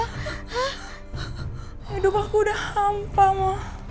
hidup aku udah hampa mah